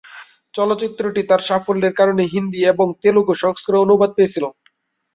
চলচ্চিত্রটি তার সাফল্যের কারণে হিন্দি এবং তেলুগু সংস্করণে অনুবাদ পেয়েছিলো।